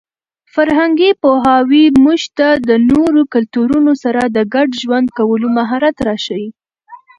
فرهنګي پوهاوی موږ ته د نورو کلتورونو سره د ګډ ژوند کولو مهارت راښيي.